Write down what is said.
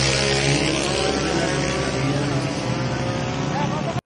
Nunes perdió la lucha vía decisión unánime.